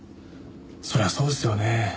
そりゃそうですよね。